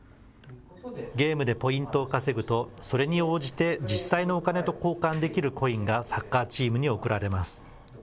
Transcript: ゲームでポイントを稼ぐと、それに応じて実際のお金と交換できるコインがサッカーチームに送られます。